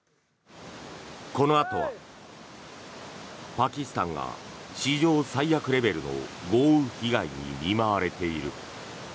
このあとはパキスタンが史上最悪レベルの豪雨被害に見舞われている。